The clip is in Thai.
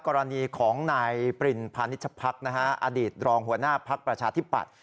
กรณีของนายปรินพาณิชภักษ์อดีตรองหัวหน้าภักดิ์ประชาธิปัตย